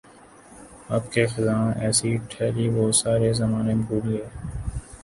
اب کے خزاں ایسی ٹھہری وہ سارے زمانے بھول گئے